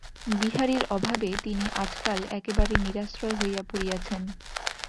বিহারীর অভাবে তিনি আজকাল একেবারে নিরাশ্রয় হইয়া পড়িয়াছেন।